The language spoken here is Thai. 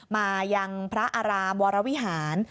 มายังพระอารามวรวิหาร